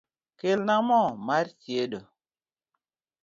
Kelna mo mar chiedo